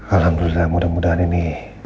alhamdulillah mudah mudahan ini